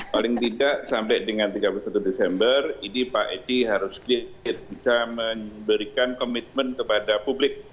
paling tidak sampai dengan tiga puluh satu desember ini pak edi harus bisa memberikan komitmen kepada publik